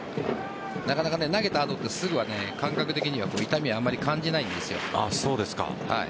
なかなか投げた後はすぐ感覚的には痛みはあまり感じないんですよ。